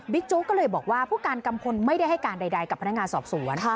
โจ๊กก็เลยบอกว่าผู้การกัมพลไม่ได้ให้การใดกับพนักงานสอบสวน